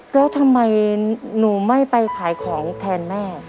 แล้วทำไมหนูไม่ไปขายของแทนแม่